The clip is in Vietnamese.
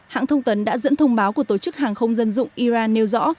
hãng thông tấn đã dẫn thông báo của tổ chức hàng không dân dụng iran nêu rõ